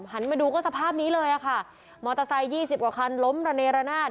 มาดูก็สภาพนี้เลยอะค่ะมอเตอร์ไซค์ยี่สิบกว่าคันล้มระเนรนาศ